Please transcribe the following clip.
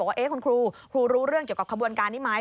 ว่าคุณครูครูรู้เรื่องเกี่ยวกับขบวนการนี้ไหม